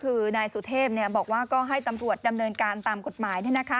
คือนายสุเทพบอกว่าก็ให้ตำรวจดำเนินการตามกฎหมาย